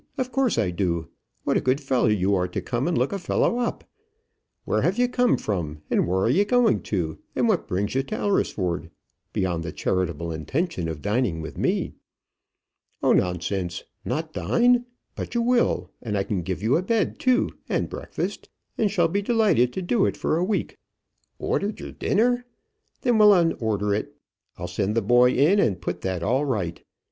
Of course I do. What a good fellow you are to come and look a fellow up! Where have you come from, and where are you going to, and what brings you to Alresford, beyond the charitable intention of dining with me? Oh, nonsense! not dine; but you will, and I can give you a bed too, and breakfast, and shall be delighted to do it for a week. Ordered your dinner? Then we'll unorder it. I'll send the boy in and put that all right.